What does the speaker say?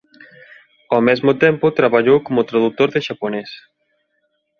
Ó mesmo tempo traballou coma tradutor de xaponés.